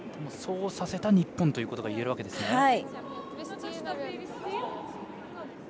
そうさせた日本と言えるわけですね。